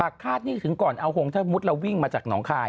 คาดนี่ถึงก่อนเอาหงถ้ามุติเราวิ่งมาจากหนองคาย